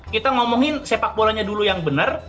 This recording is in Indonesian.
kita ngomongin sepak bolanya dulu yang benar